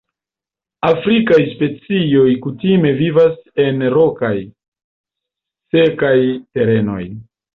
Afrikaj specioj kutime vivas en rokaj, sekaj terenoj.